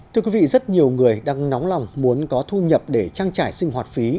thưa quý vị rất nhiều người đang nóng lòng muốn có thu nhập để trang trải sinh hoạt phí